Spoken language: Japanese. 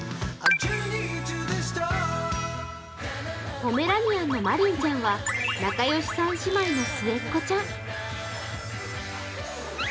ポメラニアンのマリンちゃんは仲良し３姉妹の末っ子ちゃん。